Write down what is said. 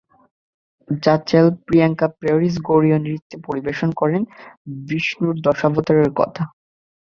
র্যা চেল প্রিয়াঙ্কা প্যারিস গৌড়ীয় নৃত্যে পরিবেশন করেন বিষ্ণুর দশাবতারের কথা।